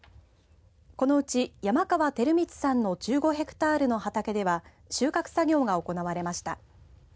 このうち山川輝光さんの１５ヘクタールの畑では収穫作業が行われました。